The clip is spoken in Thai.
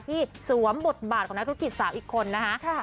สวมบทบาทของนักธุรกิจสาวอีกคนนะคะ